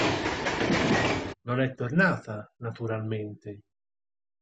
Non è tornata, naturalmente!